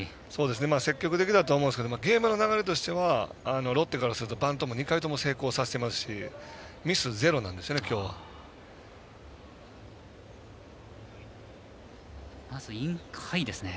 積極的だと思うんですけれどもゲームの流れからするとロッテはバントを２回とも成功させていますしミス０なんですねきょうは。まずインハイですね。